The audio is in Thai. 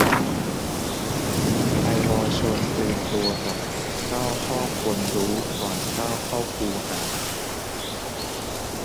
ไอลอว์ชวนเตรียมตัวกับ เก้าข้อควรรู้ ก่อนก้าวเข้าคูหา